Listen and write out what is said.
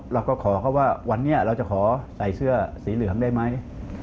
เราก็ขอเขาว่าวันนี้เราจะขอใส่เสื้อสีเหลืองได้ไหม